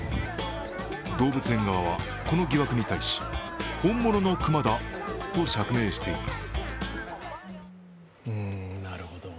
動物園側は、この疑惑に対し本物のクマだと釈明しています。